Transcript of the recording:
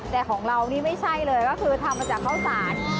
แต่ของเรานี่ไม่ใช่เลยก็คือทำมาจากข้าวสาร